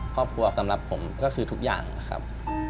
ครอบครัวสำหรับผมก็คือทุกอย่างนะครับ